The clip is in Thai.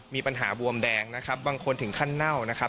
มีปัญหาบวมแดงนะครับบางคนถึงขั้นเน่านะครับ